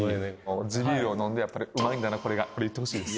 地ビールを飲んで「うまいんだなこれが」これ言ってほしいです。